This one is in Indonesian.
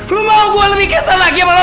lo mau gue lebih kasar lagi apa lo